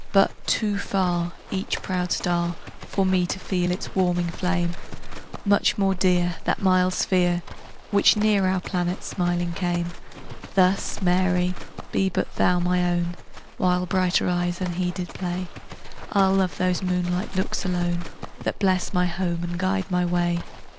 But too farEach proud star, For me to feel its warming flame; Much more dear, That mild sphere, Which near our planet smiling came; Thus, Mary, be but thou my own; While brighter eyes unheeded play, I'll love those moonlight looks alone, That bless my home and guide my way.